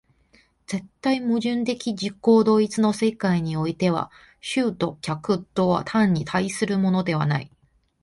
絶対矛盾的自己同一の世界においては、主と客とは単に対立するのでもない。